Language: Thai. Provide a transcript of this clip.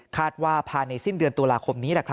ว่าภายในสิ้นเดือนตุลาคมนี้